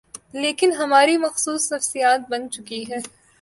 لیکن ہماری مخصوص نفسیات بن چکی ہے۔